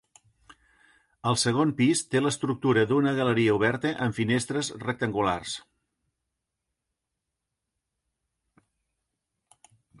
El segon pis té l'estructura d'una galeria oberta amb finestres rectangulars.